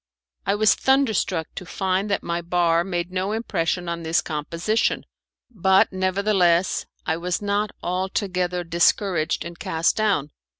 I was thunderstruck to find that my bar made no impression on this composition; but, nevertheless, I was not altogether discouraged and cast down.